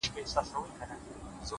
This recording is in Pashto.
نور به شاعره زه ته چوپ ووسو ـ